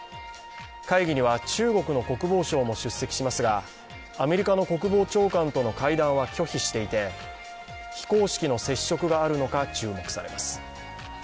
会議には中国の国防相も出席しますがアメリカの国防長官との会談は拒否していて、非公式の接触があるのか注目されます。